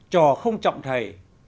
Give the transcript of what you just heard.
trò không trọng thầy